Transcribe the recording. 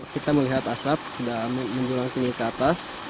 kita melihat asap sudah mendulang ke atas